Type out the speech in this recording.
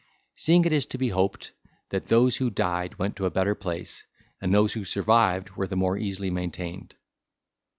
seeing it is to be hoped, that those who died went to a better place, and those who survived were the more easily maintained.